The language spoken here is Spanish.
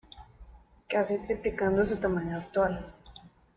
Casi triplicando su tamaño actual.